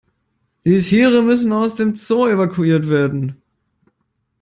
Die Tiere müssen aus dem Zoo evakuiert werden.